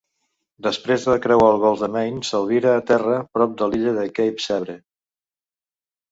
Després de creuar el golf de Maine, s'albira terra prop de l'illa de Cape Sabre.